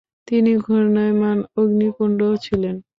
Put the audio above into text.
তিনি ঘূর্ণায়মান অগ্নিকুণ্ড ছিলেন।